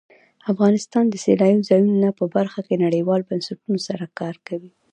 افغانستان د سیلانی ځایونه په برخه کې نړیوالو بنسټونو سره کار کوي.